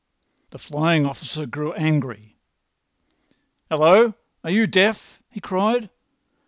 The flying officer grew angry. "Hallo! Are you deaf?" he cried.